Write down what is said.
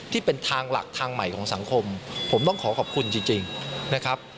ที่เป็นทางหลักทางใหม่ของสังคมผมต้องขอขอบคุณจริงนะครับ